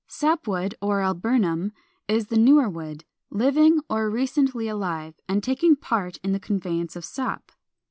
436. =Sap wood, or Alburnum.= This is the newer wood, living or recently alive, and taking part in the conveyance of sap.